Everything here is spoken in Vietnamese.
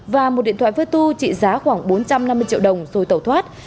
và một điện thoại vơi tu trị giá khoảng bốn trăm năm mươi triệu đồng rồi tẩu thoát